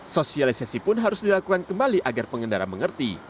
sosialisasi pun harus dilakukan kembali agar pengendara mengerti